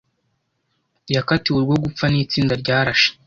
Yakatiwe urwo gupfa n’itsinda ryarashe.